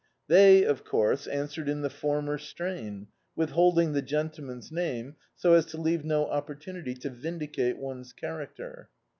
They, of course, answered in the former strain, withhold ing the gentleman's name, so as to leave no oppor tunity to vindicate one's diaracter.